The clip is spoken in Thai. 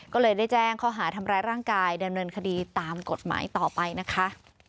ก็เลยได้แจ้งข้อหาทำร้ายร่างกายดำเนินคดีตามกฎหมายต่อไปนะคะ